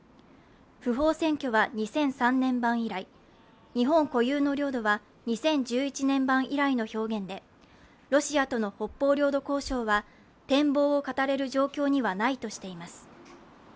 不法占拠は２００３年版以来、日本固有の領土は２０１１年版以来の表現でロシアとの北方領土交渉は展望を語れる状況にはないとしています。